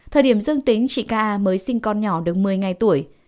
thời điểm dương tính chị k a mới sinh con nhỏ được một mươi ngày tuổi